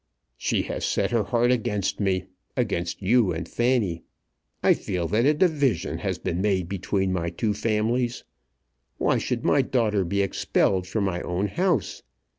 "She has set her heart against me, against you and Fanny. I feel that a division has been made between my two families. Why should my daughter be expelled from my own house?